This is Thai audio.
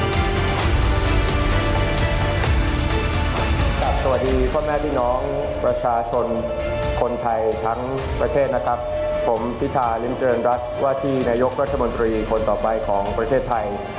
สวัสดีพ่อแม่พี่น้องประชาชนคนไทยทั้งประเทศนะครับผมพิธาริมเจริญรัฐว่าที่นายกรัฐมนตรีคนต่อไปของประเทศไทย